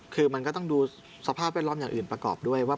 คือมันก็ต้องดูสภาพแวดล้อมอย่างอื่นประกอบด้วยว่า